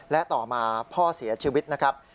และต่อมาพ่อเสียชีวิตนะครับ